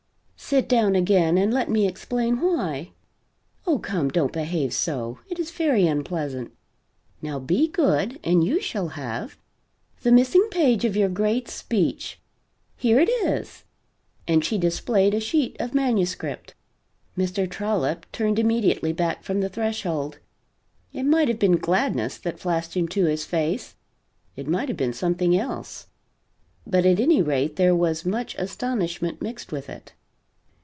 Sit down again, and let me explain why. Oh, come, don't behave so. It is very unpleasant. Now be good, and you shall have the missing page of your great speech. Here it is!" and she displayed a sheet of manuscript. Mr. Trollop turned immediately back from the threshold. It might have been gladness that flashed into his face; it might have been something else; but at any rate there was much astonishment mixed with it.